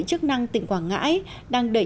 chức năng tỉnh quảng ngãi đang đẩy